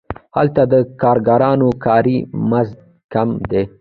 هلته د کارګرانو کاري مزد کم دی